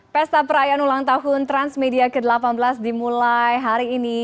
pesta perayaan ulang tahun transmedia ke delapan belas dimulai hari ini